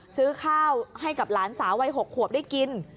ซื้อข้าวให้กับหลานสาววัย๖ขวบได้กิน